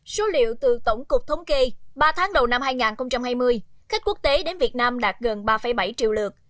số liệu từ tổng cục thống kê ba tháng đầu năm hai nghìn hai mươi khách quốc tế đến việt nam đạt gần ba bảy triệu lượt